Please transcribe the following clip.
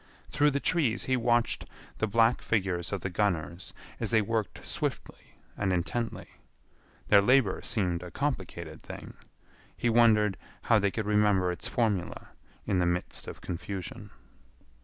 Through the trees he watched the black figures of the gunners as they worked swiftly and intently. Their labor seemed a complicated thing. He wondered how they could remember its formula in the midst of confusion.